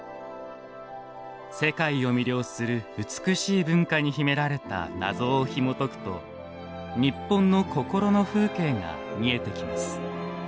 世界を魅了する美しい文化に秘められた謎をひもとくと日本の心の風景が見えてきます。